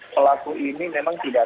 pelaku ini memang tidak